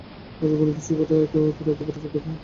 রাজা বলিতেছেন, বেটা, তোর এতবড়ো যোগ্যতা!